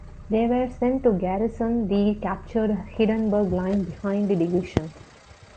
They were sent to garrison the captured Hindenburg Line behind the division.